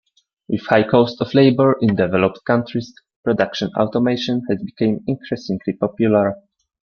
With high cost of labor in developed countries, production automation has become increasingly popular.